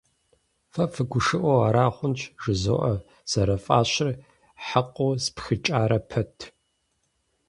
— Фэ фыгушыӀэу ара хъунщ? — жызоӀэ, зэрафӀэщыр хьэкъыу спхыкӀарэ пэт.